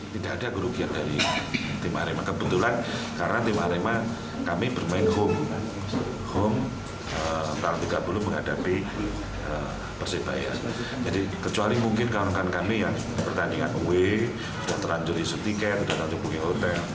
jadi kecuali mungkin kawan kawan kami yang pertandingan ui sudah terlanjur isu tiket sudah terhubungi hotel